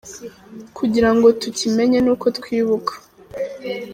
Kugira ngo tukimenye ni uko twibuka.